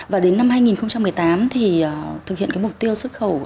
và đến năm hai nghìn một mươi tám thì thực hiện cái mục tiêu xuất khẩu